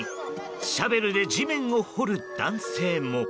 シャベルで地面を掘る男性も。